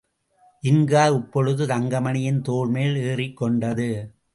ஜின்கா இப்பொழுது தங்கமணியின் தோள்மேல் ஏறிக்கொண்டது.